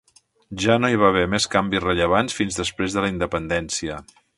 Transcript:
Ja no hi va haver més canvis rellevants fins després de la independència.